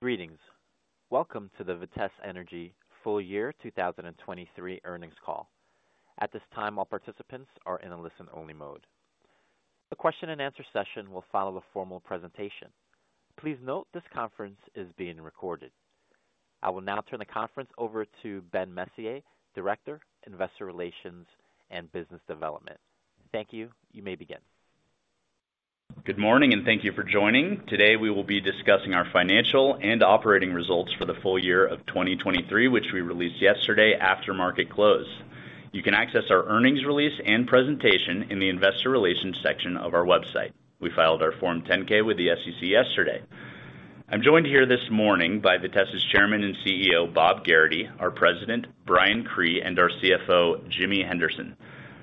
Greetings! Welcome to the Vitesse Energy Full Year 2023 earnings call. At this time, all participants are in a listen-only mode. The question and answer session will follow a formal presentation. Please note this conference is being recorded. I will now turn the conference over to Ben Messier, Director, Investor Relations and Business Development. Thank you. You may begin. Good morning, and thank you for joining. Today, we will be discussing our financial and operating results for the full year of 2023, which we released yesterday after market close. You can access our earnings release and presentation in the investor relations section of our website. We filed our Form 10-K with the SEC yesterday. I'm joined here this morning by Vitesse's Chairman and CEO, Bob Gerrity, our President, Brian Cree, and our CFO, Jimmy Henderson.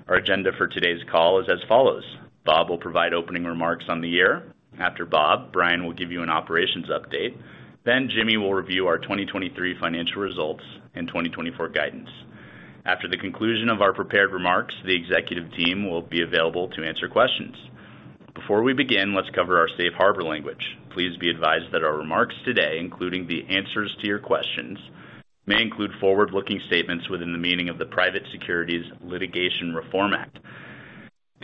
Our agenda for today's call is as follows: Bob will provide opening remarks on the year. After Bob, Brian will give you an operations update. Then Jimmy will review our 2023 financial results and 2024 guidance. After the conclusion of our prepared remarks, the executive team will be available to answer questions. Before we begin, let's cover our safe harbor language. Please be advised that our remarks today, including the answers to your questions, may include forward-looking statements within the meaning of the Private Securities Litigation Reform Act.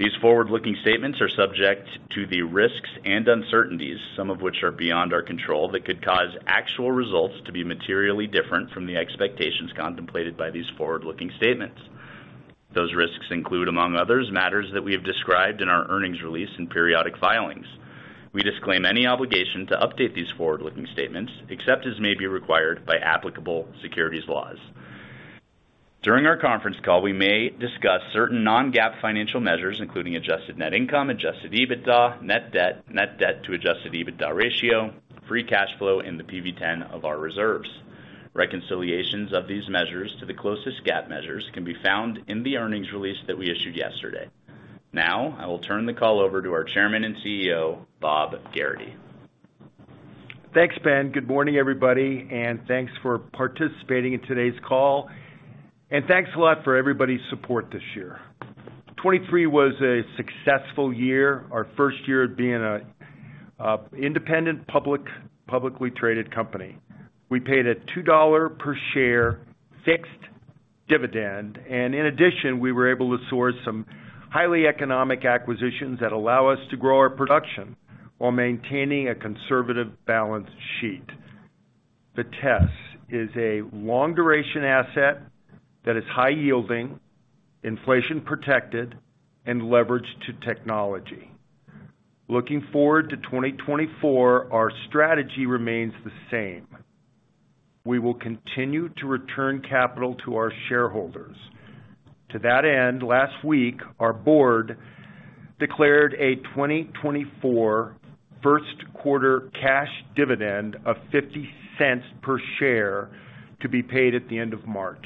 These forward-looking statements are subject to the risks and uncertainties, some of which are beyond our control, that could cause actual results to be materially different from the expectations contemplated by these forward-looking statements. Those risks include, among others, matters that we have described in our earnings release and periodic filings. We disclaim any obligation to update these forward-looking statements except as may be required by applicable securities laws. During our conference call, we may discuss certain non-GAAP financial measures, including adjusted net income, Adjusted EBITDA, net debt, net debt to Adjusted EBITDA ratio, free cash flow and the PV-10 of our reserves. Reconciliations of these measures to the closest GAAP measures can be found in the earnings release that we issued yesterday. Now, I will turn the call over to our Chairman and CEO, Bob Gerrity. Thanks, Ben. Good morning, everybody, and thanks for participating in today's call. Thanks a lot for everybody's support this year. 2023 was a successful year, our first year of being a independent, publicly traded company. We paid a $2 per share fixed dividend, and in addition, we were able to source some highly economic acquisitions that allow us to grow our production while maintaining a conservative balance sheet. Vitesse is a long-duration asset that is high yielding, inflation protected, and leveraged to technology. Looking forward to 2024, our strategy remains the same. We will continue to return capital to our shareholders. To that end, last week, our board declared a 2024 first quarter cash dividend of $0.50 per share to be paid at the end of March.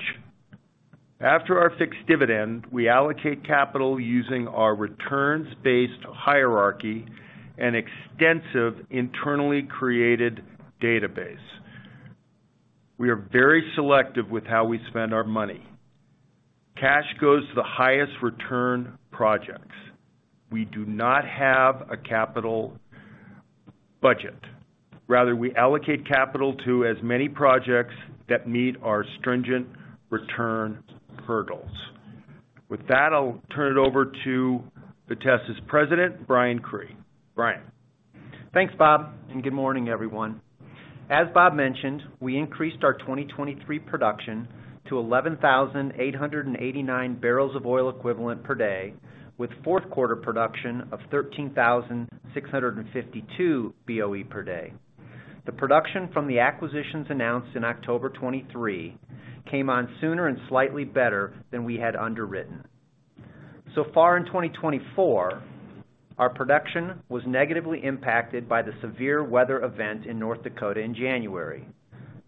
After our fixed dividend, we allocate capital using our returns-based hierarchy and extensive internally created database. We are very selective with how we spend our money. Cash goes to the highest return projects. We do not have a capital budget. Rather, we allocate capital to as many projects that meet our stringent return hurdles. With that, I'll turn it over to Vitesse's President, Brian Cree. Brian? Thanks, Bob, and good morning, everyone. As Bob mentioned, we increased our 2023 production to 11,889 bbl of oil equivalent per day, with fourth quarter production of 13,652 BOE per day. The production from the acquisitions announced in October 2023, came on sooner and slightly better than we had underwritten. So far in 2024, our production was negatively impacted by the severe weather event in North Dakota in January.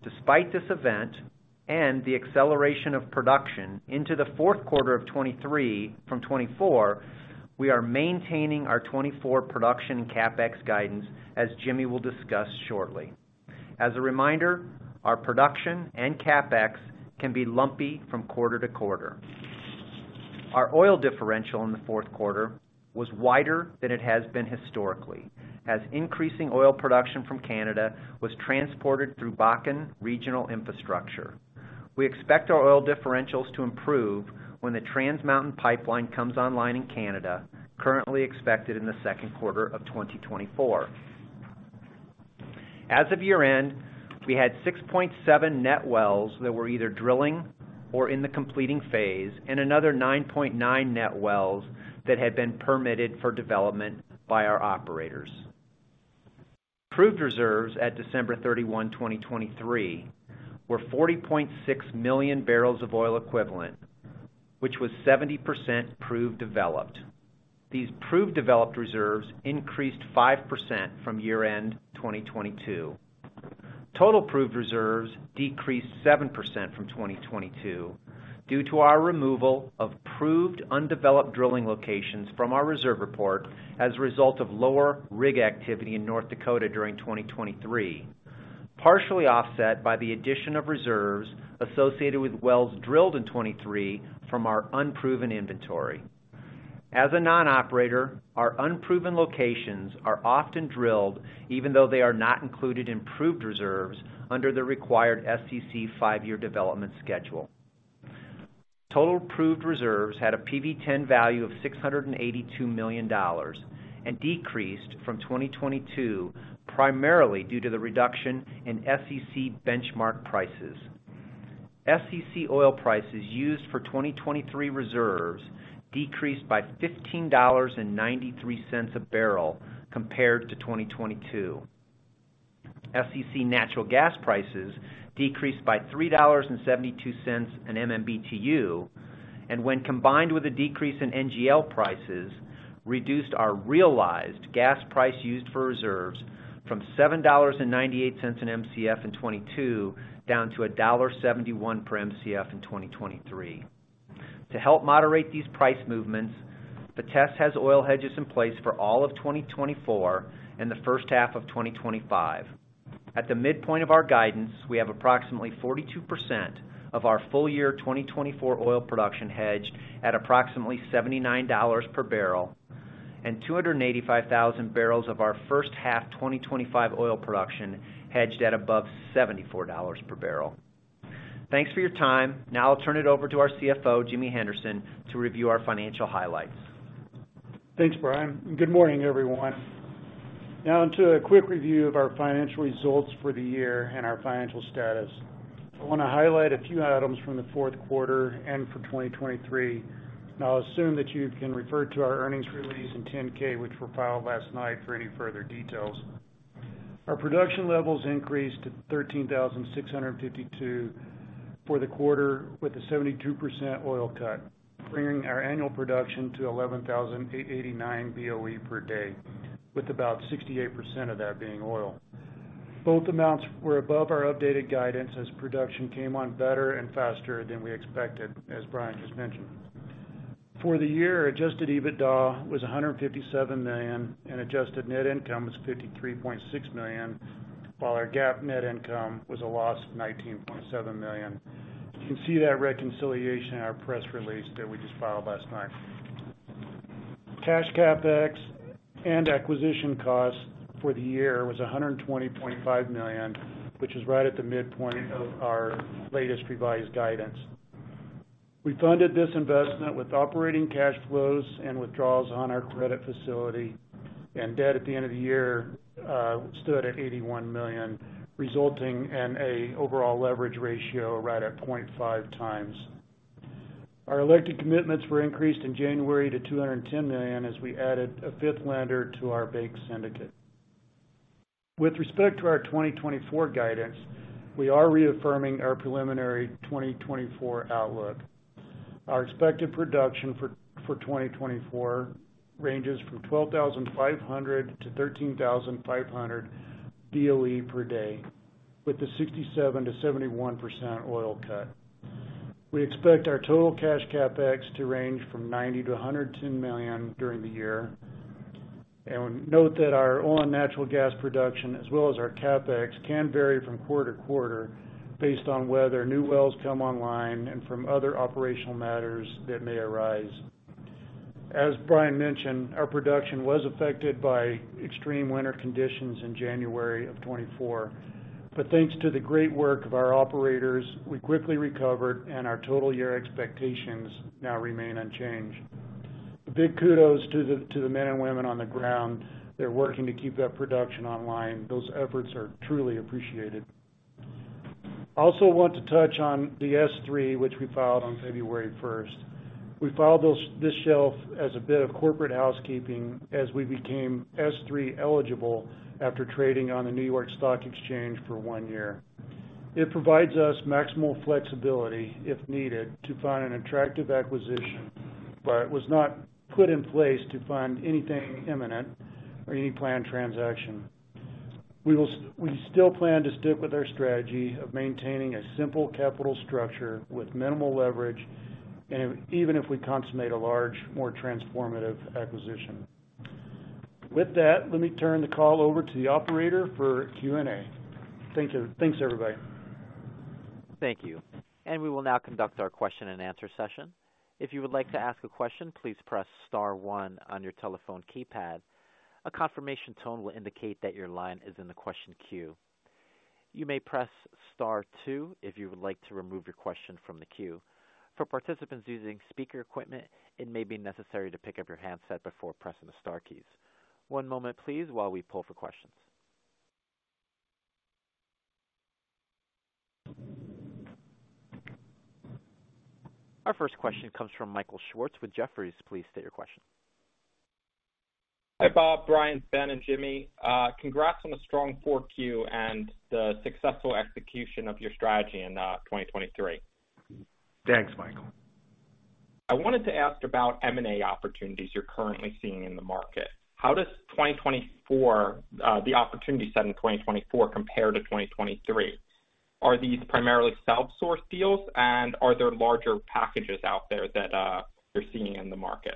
Despite this event and the acceleration of production into the fourth quarter of 2023 from 2024, we are maintaining our 2024 production CapEx guidance, as Jimmy will discuss shortly. As a reminder, our production and CapEx can be lumpy from quarter to quarter. Our oil differential in the fourth quarter was wider than it has been historically, as increasing oil production from Canada was transported through Bakken regional infrastructure. We expect our oil differentials to improve when the Trans Mountain Pipeline comes online in Canada, currently expected in the second quarter of 2024. As of year-end, we had 6.7 net wells that were either drilling or in the completing phase, and another 9.9 net wells that had been permitted for development by our operators. Proved reserves at December 31, 2023, were 40.6 million barrels of oil equivalent, which was 70% proved developed. These proved developed reserves increased 5% from year-end 2022. Total proved reserves decreased 7% from 2022, due to our removal of proved, undeveloped drilling locations from our reserve report as a result of lower rig activity in North Dakota during 2023, partially offset by the addition of reserves associated with wells drilled in 2023 from our unproven inventory. As a non-operator, our unproven locations are often drilled, even though they are not included in proved reserves under the required SEC five-year development schedule. Total proved reserves had a PV-10 value of $682 million, and decreased from 2022, primarily due to the reduction in SEC benchmark prices. SEC oil prices used for 2023 reserves decreased by $15.93 a barrel compared to 2022. Spot natural gas prices decreased by $3.72 per MMBtu, and when combined with a decrease in NGL prices, reduced our realized gas price used for reserves from $7.98 per Mcf in 2022, down to $1.71 per Mcf in 2023. To help moderate these price movements, Vitesse has oil hedges in place for all of 2024 and the first half of 2025. At the midpoint of our guidance, we have approximately 42% of our full year 2024 oil production hedged at approximately $79 per barrel and 285,000 bbl of our first half 2025 oil production hedged at above $74 per barrel. Thanks for your time. Now, I'll turn it over to our CFO, Jimmy Henderson, to review our financial highlights. Thanks, Brian. Good morning, everyone. Now, onto a quick review of our financial results for the year and our financial status. I want to highlight a few items from the fourth quarter and for 2023. I'll assume that you can refer to our earnings release in 10-K, which were filed last night for any further details. Our production levels increased to 13,652 for the quarter, with a 72% oil cut, bringing our annual production to 11,889 BOE per day, with about 68% of that being oil. Both amounts were above our updated guidance as production came on better and faster than we expected, as Brian just mentioned. For the year, Adjusted EBITDA was $157 million, and adjusted net income was $53.6 million, while our GAAP net income was a loss of $19.7 million. You can see that reconciliation in our press release that we just filed last night. Cash CapEx and acquisition costs for the year was $120.5 million, which is right at the midpoint of our latest revised guidance. We funded this investment with operating cash flows and withdrawals on our credit facility, and debt at the end of the year stood at $81 million, resulting in a overall leverage ratio right at 0.5 times. Our elected commitments were increased in January to $210 million, as we added a fifth lender to our bank syndicate. With respect to our 2024 guidance, we are reaffirming our preliminary 2024 outlook. Our expected production for 2024 ranges from 12,500 to 13,500 BOE per day, with the 67%-71% oil cut. We expect our total cash CapEx to range from $90 million-$110 million during the year. Note that our oil and natural gas production, as well as our CapEx, can vary from quarter to quarter based on whether new wells come online and from other operational matters that may arise. As Brian mentioned, our production was affected by extreme winter conditions in January 2024. But thanks to the great work of our operators, we quickly recovered and our total year expectations now remain unchanged. A big kudos to the men and women on the ground. They're working to keep that production online. Those efforts are truly appreciated. I also want to touch on the S-3, which we filed on February 1st. We filed this shelf as a bit of corporate housekeeping as we became S-3 eligible after trading on the New York Stock Exchange for one year. It provides us maximal flexibility, if needed, to find an attractive acquisition, but it was not put in place to find anything imminent or any planned transaction. We still plan to stick with our strategy of maintaining a simple capital structure with minimal leverage, and even if we consummate a large, more transformative acquisition. With that, let me turn the call over to the operator for Q&A. Thank you. Thanks, everybody. Thank you. We will now conduct our question-and-answer session. If you would like to ask a question, please press star one on your telephone keypad. A confirmation tone will indicate that your line is in the question queue. You may press star two if you would like to remove your question from the queue. For participants using speaker equipment, it may be necessary to pick up your handset before pressing the star keys. One moment, please, while we pull for questions. Our first question comes from Michael Schwartz with Jefferies. Please state your question. Hi, Bob, Brian, Ben, and Jimmy. Congrats on a strong Q4 and the successful execution of your strategy in 2023. Thanks, Michael. I wanted to ask about M&A opportunities you're currently seeing in the market. How does 2024, the opportunity set in 2024 compare to 2023? Are these primarily self-sourced deals, and are there larger packages out there that, you're seeing in the market?...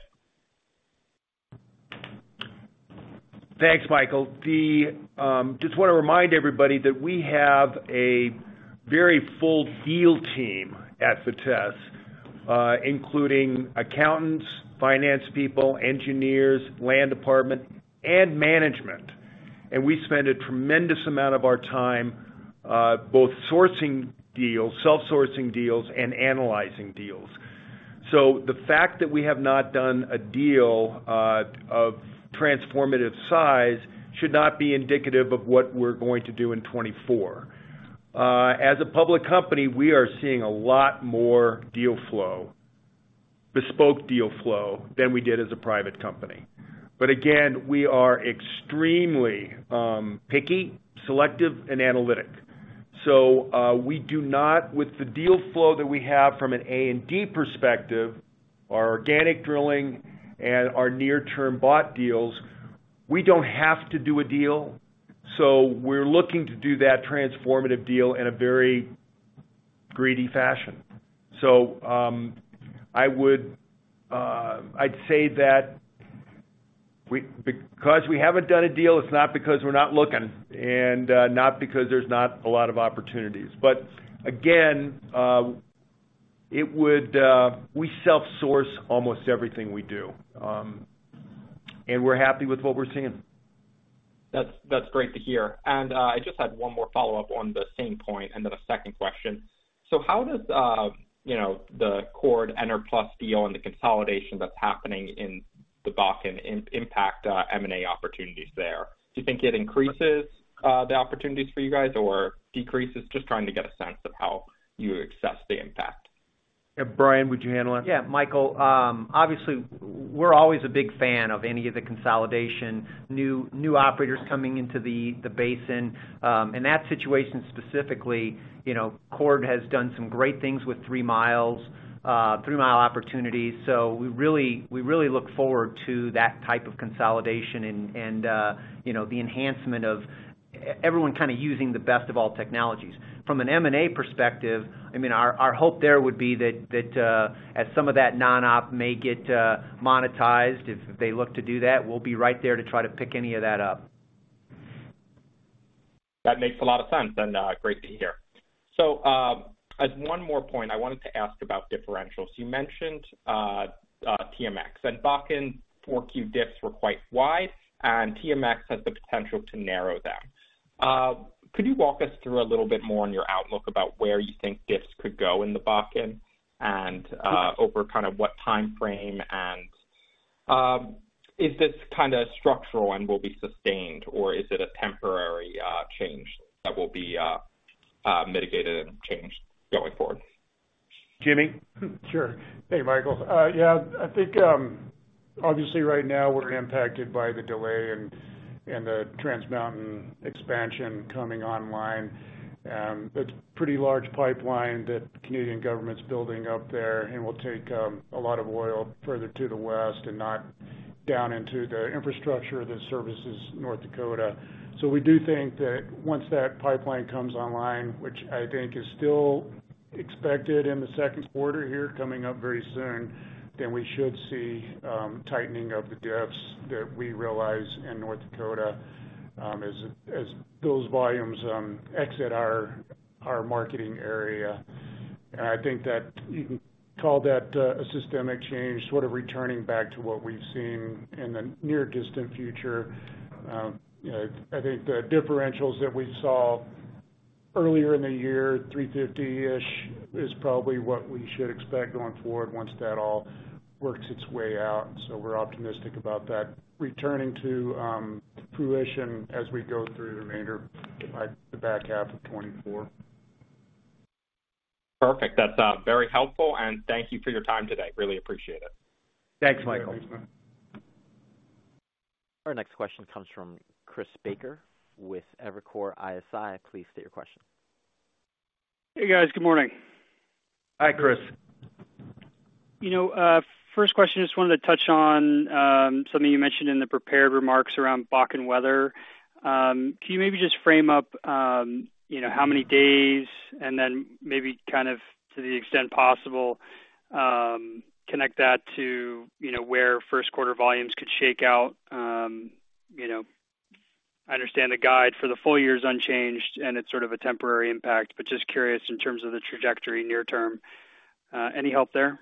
Thanks, Michael. Just want to remind everybody that we have a very full deal team at Vitesse, including accountants, finance people, engineers, land department, and management. We spend a tremendous amount of our time both sourcing deals, self-sourcing deals, and analyzing deals. So the fact that we have not done a deal of transformative size should not be indicative of what we're going to do in 2024. As a public company, we are seeing a lot more deal flow, bespoke deal flow than we did as a private company. But again, we are extremely picky, selective, and analytic. So, with the deal flow that we have from an A and D perspective, our organic drilling and our near-term bought deals, we don't have to do a deal, so we're looking to do that transformative deal in a very greedy fashion. So, I would, I'd say that because we haven't done a deal, it's not because we're not looking and not because there's not a lot of opportunities. But again, we self-source almost everything we do, and we're happy with what we're seeing. That's great to hear. I just had one more follow-up on the same point and then a second question. So how does, you know, the Chord Enerplus deal and the consolidation that's happening in the Bakken impact M&A opportunities there? Do you think it increases the opportunities for you guys or decreases? Just trying to get a sense of how you assess the impact. Yeah, Brian, would you handle that? Yeah, Michael, obviously, we're always a big fan of any of the consolidation, new operators coming into the basin. In that situation, specifically, you know, Chord has done some great things with three miles, three-mile opportunities. So we really, we really look forward to that type of consolidation and, you know, the enhancement of everyone kind of using the best of all technologies. From an M&A perspective, I mean, our hope there would be that, as some of that non-op may get monetized, if they look to do that, we'll be right there to try to pick any of that up. That makes a lot of sense, and great to hear. So, as one more point, I wanted to ask about differentials. You mentioned TMX and Bakken, 4Q diffs were quite wide, and TMX has the potential to narrow them. Could you walk us through a little bit more on your outlook about where you think diffs could go in the Bakken and over kind of what timeframe? And, is this kind of structural and will be sustained, or is it a temporary change that will be mitigated and changed going forward? Jimmy? Sure. Hey, Michael. Yeah, I think, obviously right now, we're impacted by the delay in the Trans Mountain expansion coming online. It's a pretty large pipeline that the Canadian government's building up there and will take a lot of oil further to the west and not down into the infrastructure that services North Dakota. So we do think that once that pipeline comes online, which I think is still expected in the second quarter here, coming up very soon, then we should see tightening of the diffs that we realize in North Dakota, as those volumes exit our marketing area. And I think that you can call that a systemic change, sort of returning back to what we've seen in the near distant future. You know, I think the differentials that we saw earlier in the year, $3.50-ish, is probably what we should expect going forward once that all works its way out. So we're optimistic about that returning to fruition as we go through the remainder of the back half of 2024. Perfect. That's very helpful, and thank you for your time today. Really appreciate it. Thanks, Michael. Thanks, Michael. Our next question comes from Chris Baker with Evercore ISI. Please state your question. Hey, guys. Good morning. Hi, Chris. You know, first question, just wanted to touch on, something you mentioned in the prepared remarks around Bakken weather. Can you maybe just frame up, you know, how many days, and then maybe kind of, to the extent possible, connect that to, you know, where first quarter volumes could shake out? You know, I understand the guide for the full year is unchanged, and it's sort of a temporary impact, but just curious in terms of the trajectory near term. Any help there?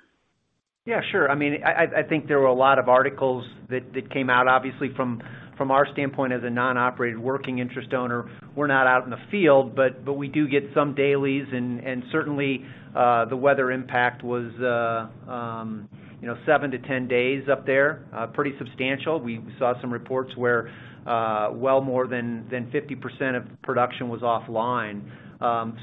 Yeah, sure. I mean, I think there were a lot of articles that came out. Obviously, from our standpoint as a non-operated working interest owner, we're not out in the field, but we do get some dailies, and certainly the weather impact was, you know, seven to 10 days up there, pretty substantial. We saw some reports where well more than 50% of production was offline.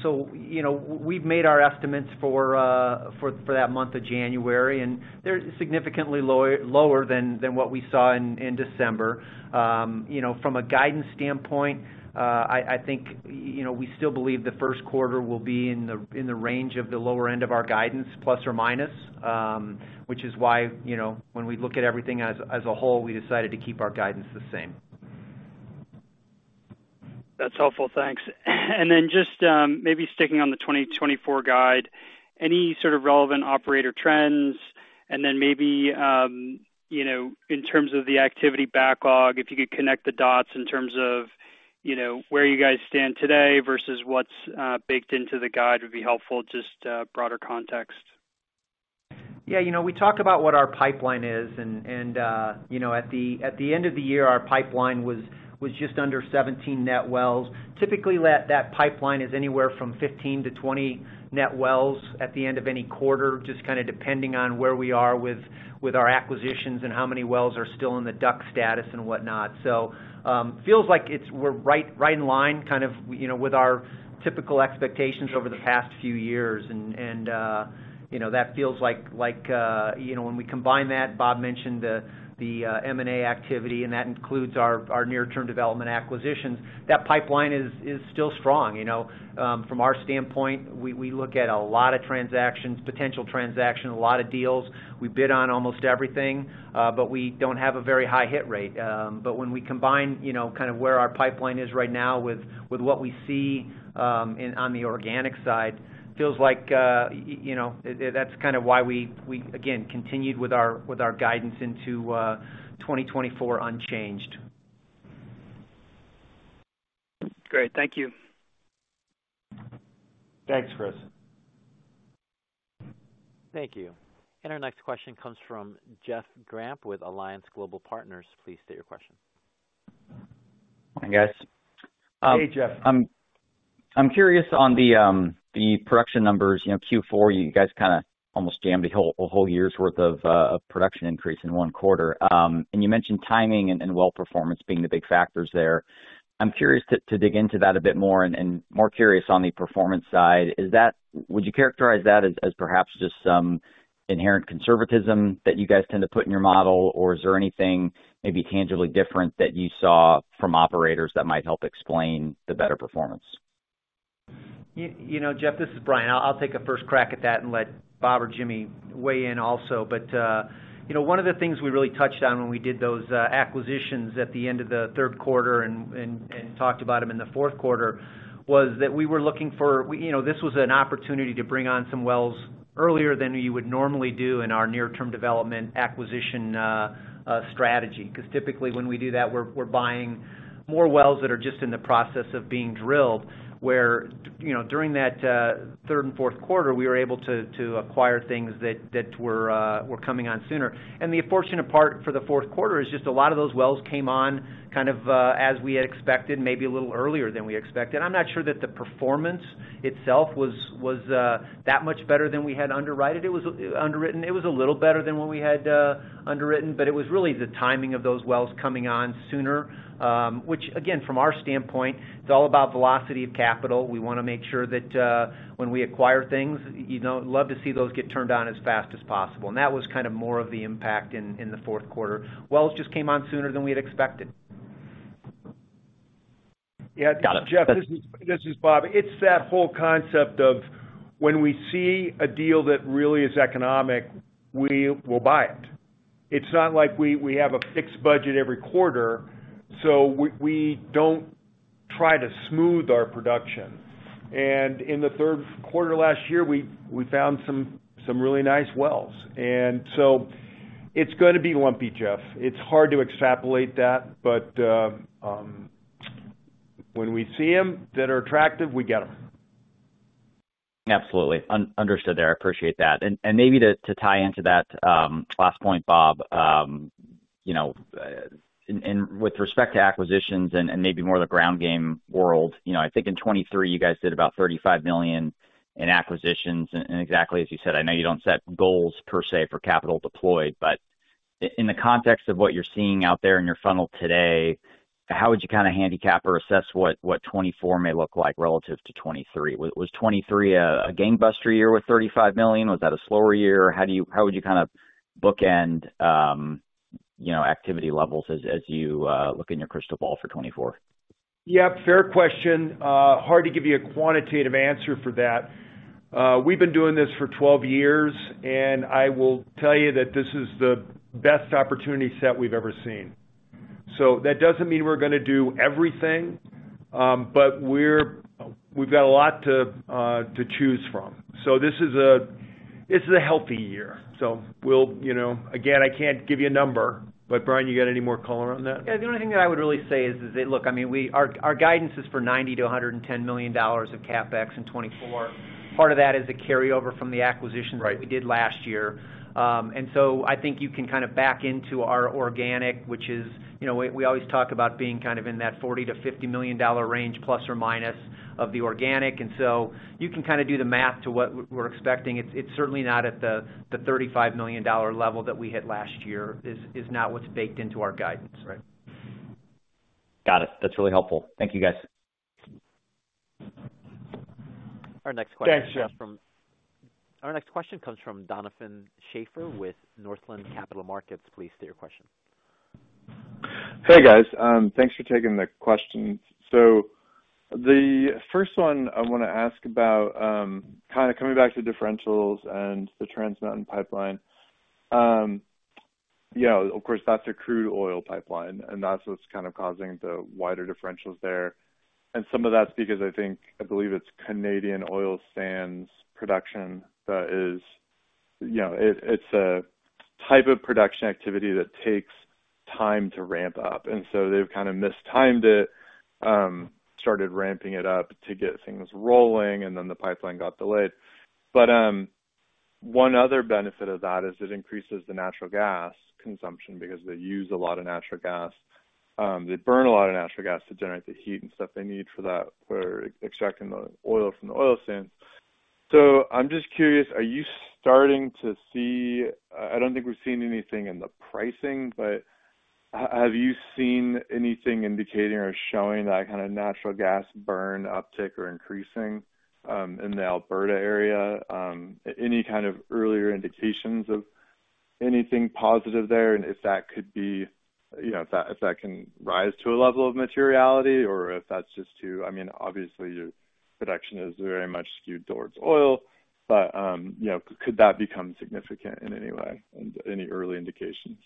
So, you know, we've made our estimates for that month of January, and they're significantly lower than what we saw in December. You know, from a guidance standpoint, I think you know, we still believe the first quarter will be in the range of the lower end of our guidance, plus or minus, which is why, you know, when we look at everything as a whole, we decided to keep our guidance the same. ... That's helpful. Thanks. And then just maybe sticking on the 2024 guide, any sort of relevant operator trends? And then maybe you know, in terms of the activity backlog, if you could connect the dots in terms of, you know, where you guys stand today versus what's baked into the guide, would be helpful, just broader context. Yeah, you know, we talked about what our pipeline is, and, you know, at the end of the year, our pipeline was just under 17 net wells. Typically, that pipeline is anywhere from 15-20 net wells at the end of any quarter, just kind of depending on where we are with our acquisitions and how many wells are still in the DUC status and whatnot. So, feels like we're right in line, kind of, you know, with our typical expectations over the past few years. And, you know, that feels like, you know, when we combine that, Bob mentioned the M&A activity, and that includes our near-term development acquisitions. That pipeline is still strong, you know. From our standpoint, we look at a lot of transactions, potential transactions, a lot of deals. We bid on almost everything, but we don't have a very high hit rate. But when we combine, you know, kind of where our pipeline is right now with what we see on the organic side, feels like you know, that's kind of why we again continued with our guidance into 2024 unchanged. Great. Thank you. Thanks, Chris. Thank you. Our next question comes from Jeff Grampp with Alliance Global Partners. Please state your question. Hi, guys. Hey, Jeff. I'm curious on the production numbers. You know, Q4, you guys kind of almost jammed a whole year's worth of production increase in one quarter. You mentioned timing and well performance being the big factors there. I'm curious to dig into that a bit more and more curious on the performance side. Would you characterize that as perhaps just some inherent conservatism that you guys tend to put in your model, or is there anything maybe tangibly different that you saw from operators that might help explain the better performance? You know, Jeff, this is Brian. I'll take a first crack at that and let Bob or Jimmy weigh in also. But you know, one of the things we really touched on when we did those acquisitions at the end of the third quarter and talked about them in the fourth quarter, was that we were looking for... You know, this was an opportunity to bring on some wells earlier than you would normally do in our near-term development acquisition strategy. Because typically when we do that, we're buying more wells that are just in the process of being drilled, where you know, during that third and fourth quarter, we were able to acquire things that were coming on sooner. The fortunate part for the fourth quarter is just a lot of those wells came on kind of, as we had expected, maybe a little earlier than we expected. I'm not sure that the performance itself was, was, that much better than we had underwrited it, was underwritten. It was a little better than what we had, underwritten, but it was really the timing of those wells coming on sooner, which, again, from our standpoint, it's all about velocity of capital. We wanna make sure that, when we acquire things, you know, love to see those get turned on as fast as possible. And that was kind of more of the impact in the fourth quarter. Wells just came on sooner than we had expected. Yeah, Jeff, this is Bob. It's that whole concept of when we see a deal that really is economic, we will buy it. It's not like we have a fixed budget every quarter, so we don't try to smooth our production. And in the third quarter last year, we found some really nice wells, and so it's gonna be lumpy, Jeff. It's hard to extrapolate that, but when we see them that are attractive, we get them. Absolutely. Understood there. I appreciate that. And maybe to tie into that last point, Bob, you know, and with respect to acquisitions and maybe more the ground game world, you know, I think in 2023, you guys did about $35 million in acquisitions. And exactly as you said, I know you don't set goals per se for capital deployed, but in the context of what you're seeing out there in your funnel today, how would you kind of handicap or assess what 2024 may look like relative to 2023? Was 2023 a gangbuster year with $35 million? Was that a slower year, or how would you kind of bookend you know, activity levels as you look in your crystal ball for 2024? Yeah, fair question. Hard to give you a quantitative answer for that. We've been doing this for 12 years, and I will tell you that this is the best opportunity set we've ever seen. So that doesn't mean we're gonna do everything, but we've got a lot to choose from. So this is a... This is a healthy year. So we'll, you know... Again, I can't give you a number, but Brian, you got any more color on that? Yeah, the only thing that I would really say is that, look, I mean, our guidance is for $90 million-$110 million of CapEx in 2024. Part of that is a carryover from the acquisitions- Right -that we did last year. And so I think you can kind of back into our organic, which is, you know, we always talk about being kind of in that $40 million-$50 million range, plus or minus, of the organic. And so you can kind of do the math to what we're expecting. It's certainly not at the $35 million level that we hit last year, is not what's baked into our guidance. Right. Got it. That's really helpful. Thank you, guys. Our next question- Thanks, Jeff. Our next question comes from Donovan Schafer with Northland Capital Markets. Please state your question. Hey, guys. Thanks for taking the questions. The first one I want to ask about, kind of coming back to differentials and the Trans Mountain Pipeline.... Yeah, of course, that's a crude oil pipeline, and that's what's kind of causing the wider differentials there. And some of that's because I think, I believe it's Canadian oil sands production that is, you know, it's a type of production activity that takes time to ramp up, and so they've kind of mistimed it, started ramping it up to get things rolling, and then the pipeline got delayed. But, one other benefit of that is it increases the natural gas consumption because they use a lot of natural gas. They burn a lot of natural gas to generate the heat and stuff they need for that, for extracting the oil from the oil sands. So I'm just curious, are you starting to see, I don't think we've seen anything in the pricing, but have you seen anything indicating or showing that kind of natural gas burn uptick or increasing in the Alberta area? Any kind of earlier indications of anything positive there, and if that could be, you know, if that, if that can rise to a level of materiality or if that's just too... I mean, obviously, your production is very much skewed towards oil, but, you know, could that become significant in any way? And any early indications?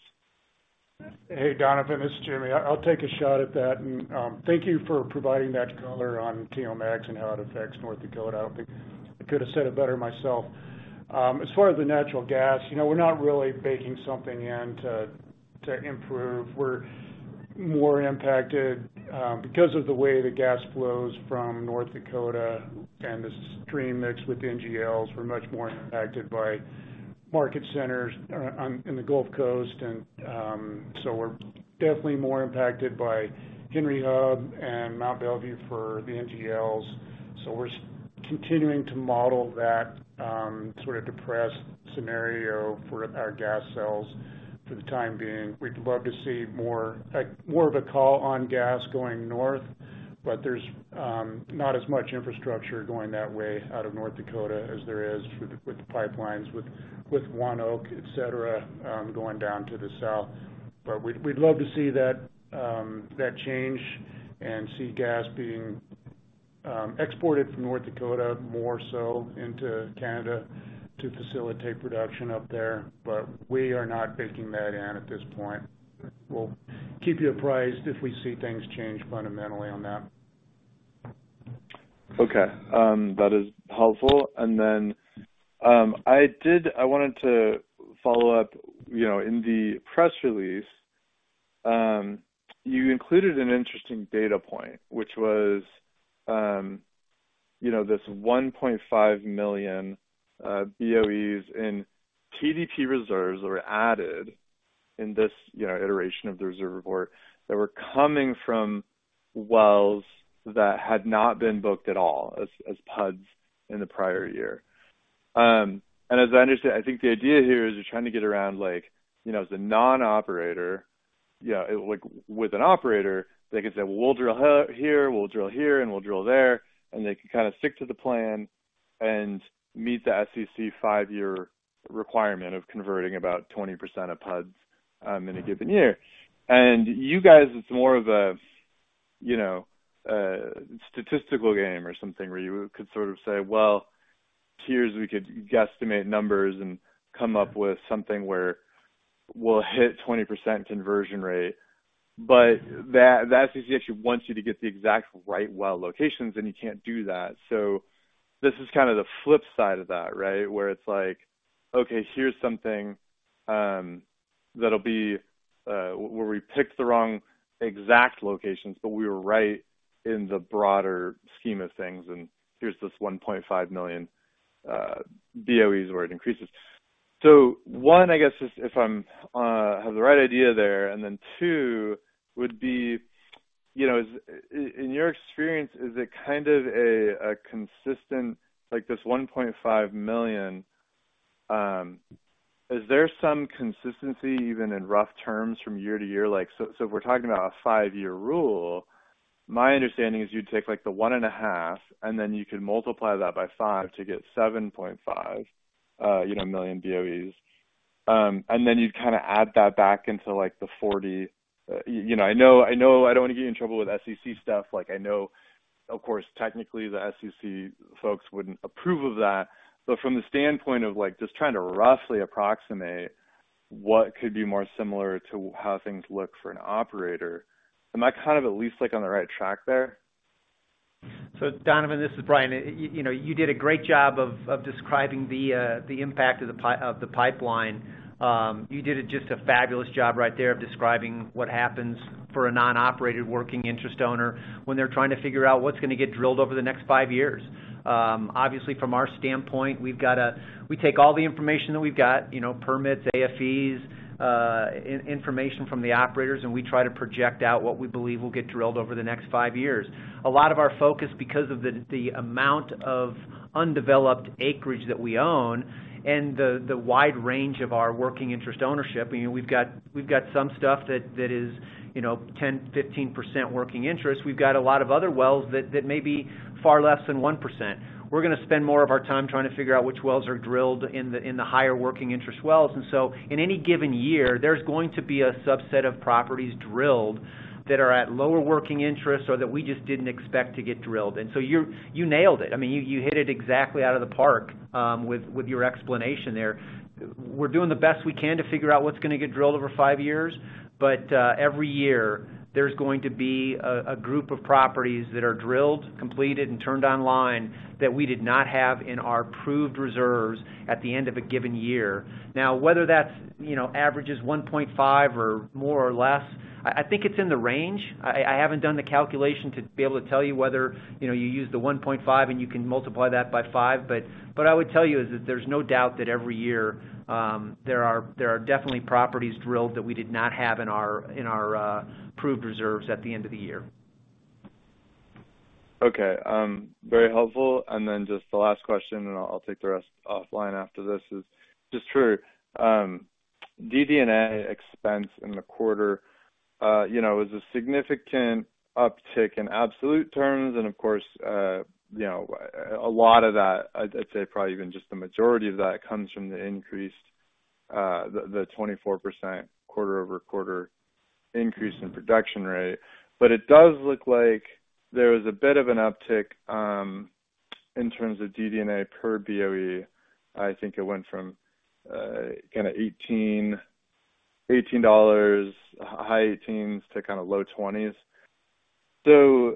Hey, Donovan, this is Jimmy. I'll take a shot at that. And thank you for providing that color on TMX and how it affects North Dakota. I don't think I could have said it better myself. As far as the natural gas, you know, we're not really baking something in to improve. We're more impacted because of the way the gas flows from North Dakota and the midstream mix with NGLs, we're much more impacted by market centers in the Gulf Coast. And so we're definitely more impacted by Henry Hub and Mount Belvieu for the NGLs. So we're continuing to model that sort of depressed scenario for our gas sales for the time being. We'd love to see more, like, more of a call on gas going north, but there's not as much infrastructure going that way out of North Dakota as there is with the pipelines, with ONEOK, et cetera, going down to the south. But we'd love to see that change and see gas being exported from North Dakota more so into Canada to facilitate production up there. But we are not baking that in at this point. We'll keep you apprised if we see things change fundamentally on that. Okay, that is helpful. And then, I wanted to follow up, you know, in the press release, you included an interesting data point, which was, you know, this 1.5 million BOEs in TDP reserves were added in this, you know, iteration of the reserve report, that were coming from wells that had not been booked at all as PUDs in the prior year. And as I understand, I think the idea here is you're trying to get around like, you know, as a non-operator, yeah, like, with an operator, they could say, "Well, we'll drill here, we'll drill here, and we'll drill there," and they can kind of stick to the plan and meet the SEC five-year requirement of converting about 20% of PUDs in a given year. You guys, it's more of a, you know, a statistical game or something, where you could sort of say, "Well, here's, we could guesstimate numbers and come up with something where we'll hit 20% conversion rate." But that, the SEC actually wants you to get the exact right well locations, and you can't do that. So this is kind of the flip side of that, right? Where it's like, okay, here's something that'll be where we picked the wrong exact locations, but we were right in the broader scheme of things, and here's this 1.5 million BOEs where it increases. So one, I guess, is if I'm have the right idea there, and then two, would be, you know, is it in your experience, is it kind of a, a consistent... Like, this 1.5 million, is there some consistency, even in rough terms, from year to year? Like, so, so if we're talking about a five-year rule, my understanding is you'd take, like, the 1.5, and then you can multiply that by five to get 7.5, you know, million BOEs. And then you'd kind of add that back into, like, the 40. You know, I know, I know I don't want to get you in trouble with SEC stuff. Like, I know, of course, technically the SEC folks wouldn't approve of that, but from the standpoint of, like, just trying to roughly approximate what could be more similar to how things look for an operator, am I kind of at least, like, on the right track there? So, Donovan, this is Brian. You know, you did a great job of describing the impact of the pipeline. You did just a fabulous job right there of describing what happens for a non-operated working interest owner when they're trying to figure out what's going to get drilled over the next five years. Obviously, from our standpoint, we've got, we take all the information that we've got, you know, permits, AFEs, information from the operators, and we try to project out what we believe will get drilled over the next five years. A lot of our focus, because of the amount of undeveloped acreage that we own and the wide range of our working interest ownership, I mean, we've got some stuff that is, you know, 10, 15% working interest. We've got a lot of other wells that may be far less than 1%. We're going to spend more of our time trying to figure out which wells are drilled in the higher working interest wells. And so in any given year, there's going to be a subset of properties drilled that are at lower working interest or that we just didn't expect to get drilled. And so you nailed it. I mean, you hit it exactly out of the park with your explanation there. We're doing the best we can to figure out what's going to get drilled over five years, but every year there's going to be a group of properties that are drilled, completed, and turned online that we did not have in our proved reserves at the end of a given year. Now, whether that's, you know, averages 1.5 or more or less, I think it's in the range. I haven't done the calculation to be able to tell you whether, you know, you use the 1.5 and you can multiply that by five. But I would tell you is that there's no doubt that every year there are definitely properties drilled that we did not have in our proved reserves at the end of the year.... Okay, very helpful. And then just the last question, and I'll take the rest offline after this is just true DD&A expense in the quarter, you know, is a significant uptick in absolute terms. And of course, you know, a lot of that, I'd say probably even just the majority of that, comes from the increased, the 24% quarter-over-quarter increase in production rate. But it does look like there was a bit of an uptick in terms of DD&A per BOE. I think it went from kind of $18-$18, high $18s to kind of low $20s. So,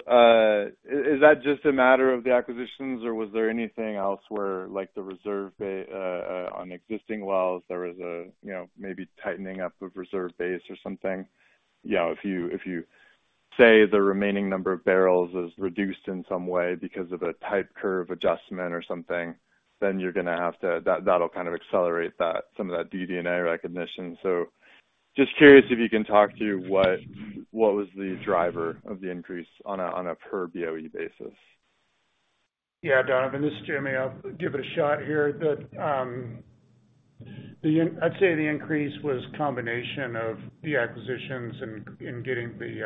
is that just a matter of the acquisitions, or was there anything else where, like, the reserve base on existing wells, there was a, you know, maybe tightening up of reserve base or something? You know, if you, if you say the remaining number of barrels is reduced in some way because of a type curve adjustment or something, then you're gonna have to-- that, that'll kind of accelerate that, some of that DD&A recognition. So just curious if you can talk to what, what was the driver of the increase on a, on a per BOE basis? Yeah, Donovan, this is Jimmy. I'll give it a shot here. The increase was a combination of the acquisitions and getting the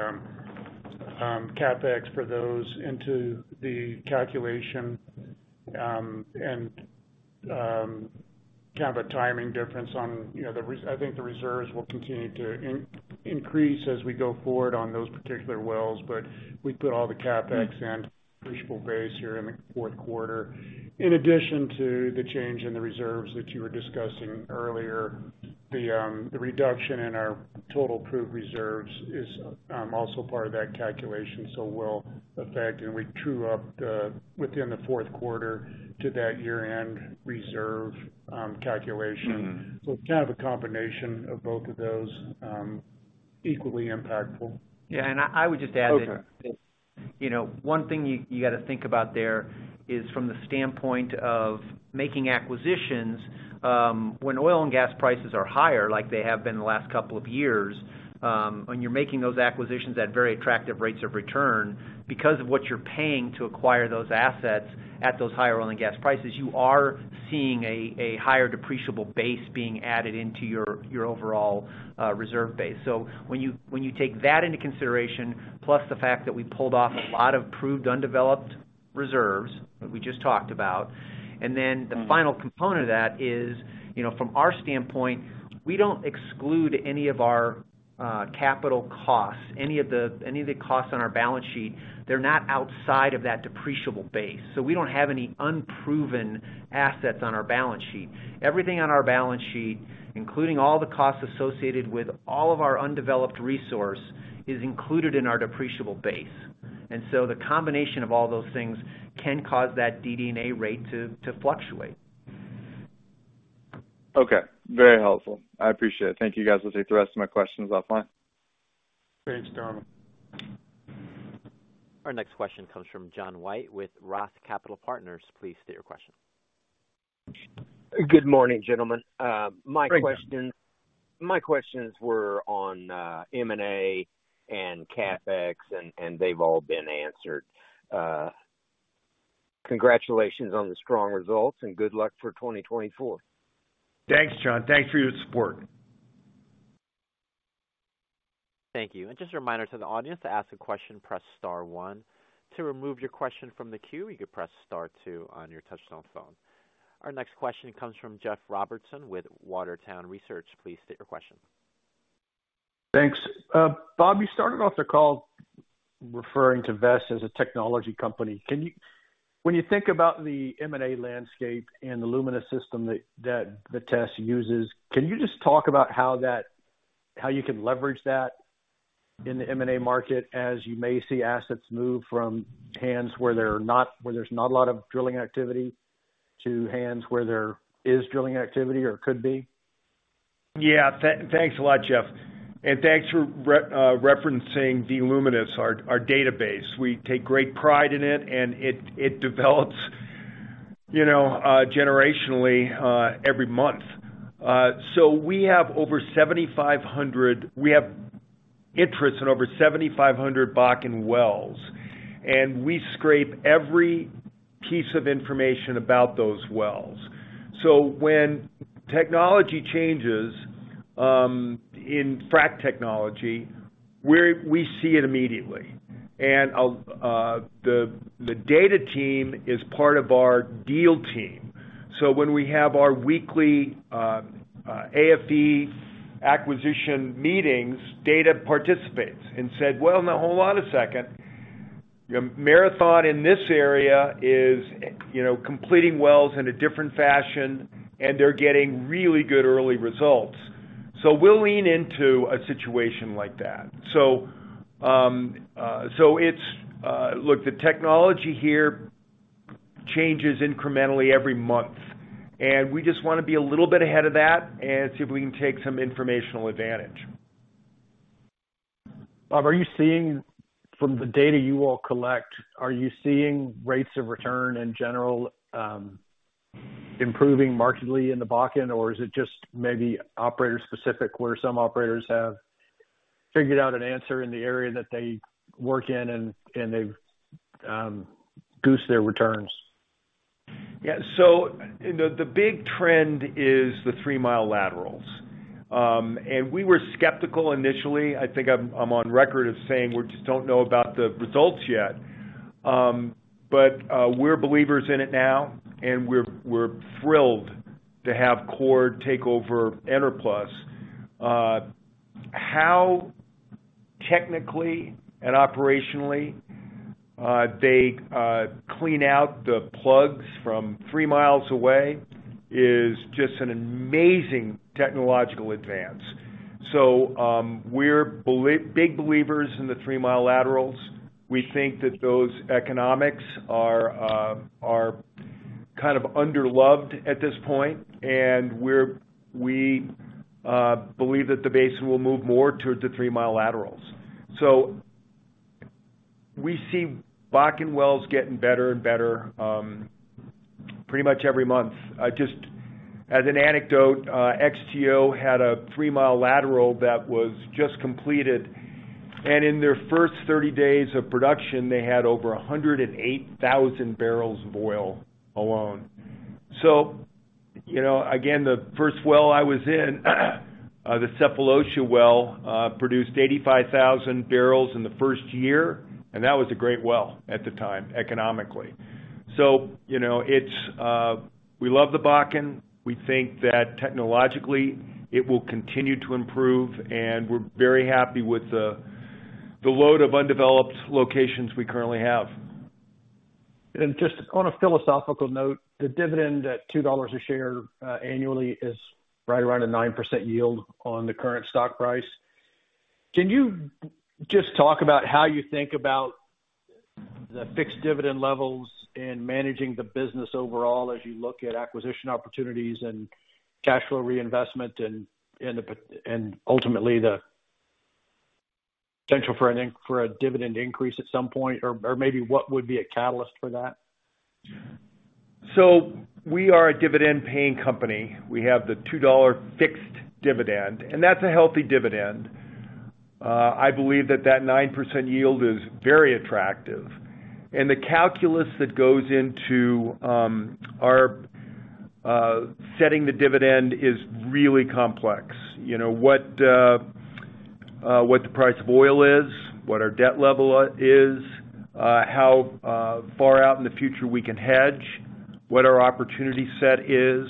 CapEx for those into the calculation, and kind of a timing difference on, you know, the reserves. I think the reserves will continue to increase as we go forward on those particular wells, but we put all the CapEx in depreciable base here in the fourth quarter. In addition to the change in the reserves that you were discussing earlier, the reduction in our total proved reserves is also part of that calculation, so will affect, and we true up the within the fourth quarter to that year-end reserve calculation. Mm-hmm. So it's kind of a combination of both of those, equally impactful. Yeah, and I would just add that- Okay. You know, one thing you gotta think about there is from the standpoint of making acquisitions, when oil and gas prices are higher, like they have been the last couple of years, and you're making those acquisitions at very attractive rates of return, because of what you're paying to acquire those assets at those higher oil and gas prices, you are seeing a higher depreciable base being added into your overall reserve base. So when you take that into consideration, plus the fact that we pulled off a lot of proved undeveloped reserves that we just talked about, and then the final component of that is, you know, from our standpoint, we don't exclude any of our capital costs, any of the costs on our balance sheet. They're not outside of that depreciable base. So we don't have any unproven assets on our balance sheet. Everything on our balance sheet, including all the costs associated with all of our undeveloped resource, is included in our depreciable base. And so the combination of all those things can cause that DD&A rate to fluctuate. Okay, very helpful. I appreciate it. Thank you, guys. I'll take the rest of my questions offline. Thanks, Donovan. Our next question comes from John White with Roth Capital Partners. Please state your question. Good morning, gentlemen. Good morning. My question, my questions were on M&A and CapEx, and, and they've all been answered. Congratulations on the strong results, and good luck for 2024. Thanks, John. Thanks for your support. Thank you. Just a reminder to the audience, to ask a question, press star one. To remove your question from the queue, you can press star two on your touchtone phone. Our next question comes from Jeff Robertson with Water Tower Research. Please state your question. Thanks. Bob, you started off the call referring to Vitesse as a technology company. Can you, when you think about the M&A landscape and the Luminus system that the team uses, can you just talk about how that, how you can leverage that in the M&A market, as you may see assets move from hands where they're not, where there's not a lot of drilling activity, to hands where there is drilling activity or could be? Yeah. Thanks a lot, Jeff, and thanks for referencing the Luminus, our database. We take great pride in it, and it develops, you know, generationally every month. So we have interest in over 7,500 Bakken wells, and we scrape every piece of information about those wells. So when technology changes in frack technology, we see it immediately. And the data team is part of our deal team. So when we have our weekly A&D acquisition meetings, data participates and said, "Well, now, hold on a second. Marathon in this area is, you know, completing wells in a different fashion, and they're getting really good early results." So we'll lean into a situation like that. So it's... Look, the technology here changes incrementally every month, and we just wanna be a little bit ahead of that and see if we can take some informational advantage. Bob, are you seeing, from the data you all collect, are you seeing rates of return in general improving markedly in the Bakken, or is it just maybe operator specific, where some operators have figured out an answer in the area that they work in, and they've goosed their returns? Yeah. So the big trend is the 3-mi Laterals. We were skeptical initially. I think I'm on record as saying we just don't know about the results yet. But we're believers in it now, and we're thrilled to have Chord take over Enerplus. How technically and operationally they clean out the plugs from 3 mi away is just an amazing technological advance. So we're big believers in the 3-mi Laterals. We think that those economics are kind of underloved at this point, and we believe that the basin will move more towards the 3-mi Laterals. So we see Bakken wells getting better and better pretty much every month. Just as an anecdote, XTO had a 3-mi lateral that was just completed, and in their first 30 days of production, they had over 108,000 bbl of oil alone. So, you know, again, the first well I was in, the Cephelosia well, produced 85,000 bbl in the first year, and that was a great well at the time, economically. So, you know, it's... We love the Bakken. We think that technologically, it will continue to improve, and we're very happy with the load of undeveloped locations we currently have. Just on a philosophical note, the dividend at $2 a share annually is right around a 9% yield on the current stock price. Can you just talk about how you think about the fixed dividend levels in managing the business overall, as you look at acquisition opportunities and cash flow reinvestment and ultimately the potential for a dividend increase at some point, or maybe what would be a catalyst for that? So we are a dividend-paying company. We have the $2 fixed dividend, and that's a healthy dividend. I believe that that 9% yield is very attractive, and the calculus that goes into our setting the dividend is really complex. You know, what, what the price of oil is, what our debt level is, how far out in the future we can hedge, what our opportunity set is,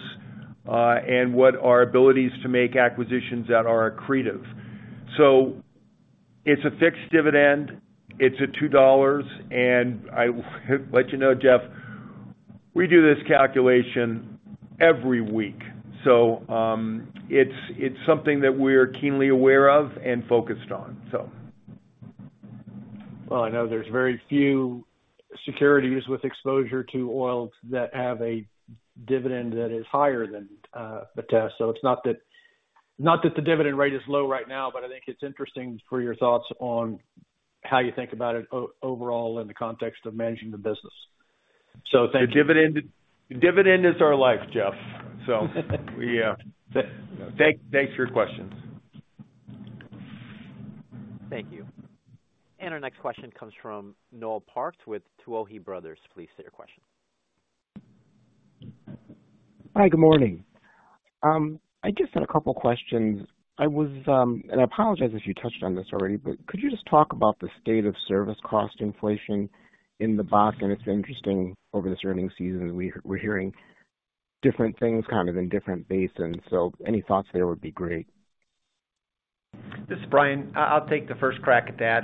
and what our abilities to make acquisitions that are accretive. So it's a fixed dividend. It's at $2, and I will let you know, Jeff, we do this calculation every week. So, it's, it's something that we're keenly aware of and focused on, so. Well, I know there's very few securities with exposure to oil that have a dividend that is higher than Vitesse. So it's not that, not that the dividend rate is low right now, but I think it's interesting for your thoughts on how you think about it overall in the context of managing the business. So thank you. The dividend, the dividend is our life, Jeff. So, yeah. Thanks for your questions. Thank you. Our next question comes from Noel Parks with Tuohy Brothers. Please state your question. Hi, good morning. I just had a couple questions. And I apologize if you touched on this already, but could you just talk about the state of service cost inflation in the Bakken? It's interesting, over this earnings season, we're hearing different things kind of in different basins, so any thoughts there would be great. This is Brian. I'll take the first crack at that.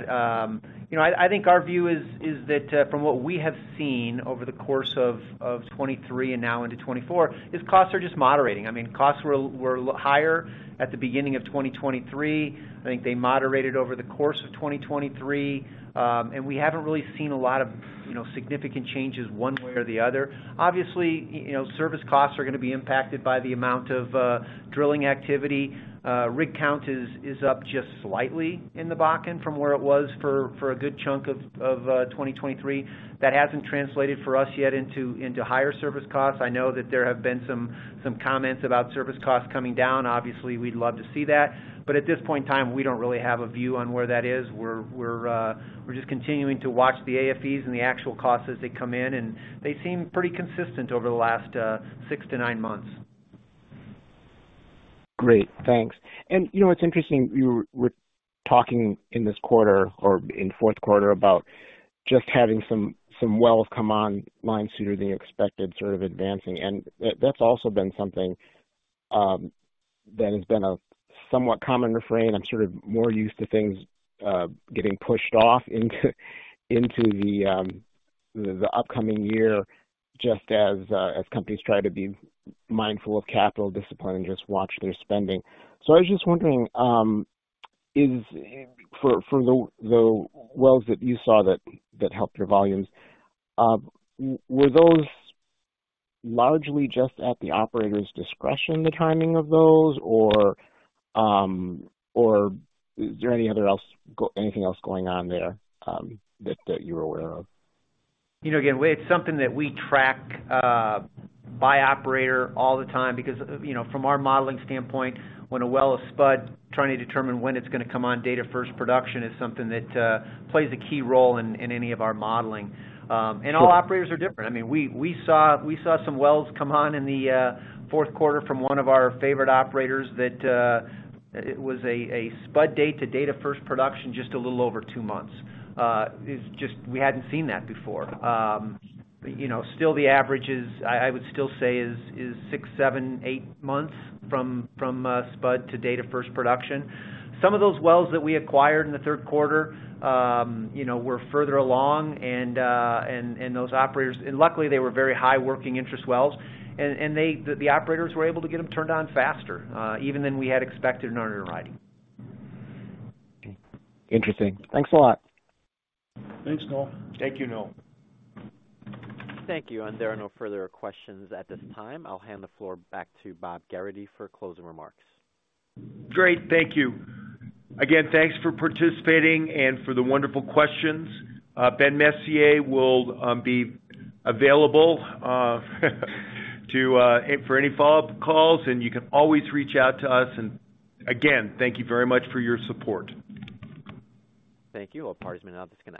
You know, I think our view is that from what we have seen over the course of 2023 and now into 2024, costs are just moderating. I mean, costs were higher at the beginning of 2023. I think they moderated over the course of 2023, and we haven't really seen a lot of, you know, significant changes one way or the other. Obviously, you know, service costs are gonna be impacted by the amount of drilling activity. Rig count is up just slightly in the Bakken from where it was for a good chunk of 2023. That hasn't translated for us yet into higher service costs. I know that there have been some comments about service costs coming down. Obviously, we'd love to see that, but at this point in time, we don't really have a view on where that is. We're just continuing to watch the AFEs and the actual costs as they come in, and they seem pretty consistent over the last six to nine months. Great, thanks. And, you know, it's interesting, you were talking in this quarter or in fourth quarter about just having some wells come online sooner than you expected, sort of advancing. And that's also been something that has been a somewhat common refrain. I'm sort of more used to things getting pushed off into the upcoming year, just as companies try to be mindful of capital discipline and just watch their spending. So I was just wondering, is... For the wells that you saw that helped your volumes, were those largely just at the operator's discretion, the timing of those? Or is there anything else going on there that you're aware of? You know, again, it's something that we track by operator all the time because, you know, from our modeling standpoint, when a well is spud, trying to determine when it's gonna come on date of first production is something that plays a key role in any of our modeling. All operators are different. I mean, we saw some wells come on in the fourth quarter from one of our favorite operators that it was a spud date to date of first production, just a little over two months. It's just we hadn't seen that before. You know, still the average is, I would still say, six, seven, eight months from spud to date of first production. Some of those wells that we acquired in the third quarter, you know, were further along and those operators... And luckily, they were very high working interest wells, and they, the operators were able to get them turned on faster, even than we had expected in our underwriting. Interesting. Thanks a lot. Thanks, Noel. Thank you, Noel. Thank you, and there are no further questions at this time. I'll hand the floor back to Bob Gerrity for closing remarks. Great. Thank you. Again, thanks for participating and for the wonderful questions. Ben Messier will be available to and for any follow-up calls, and you can always reach out to us. Again, thank you very much for your support. Thank you. All parties may now disconnect.